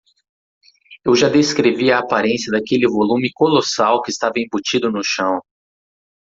Eu já descrevi a aparência daquele volume colossal que estava embutido no chão.